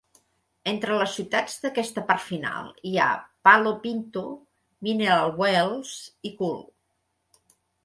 Entre les ciutats d'aquesta part final hi ha Palo Pinto, Mineral Wells i Cool.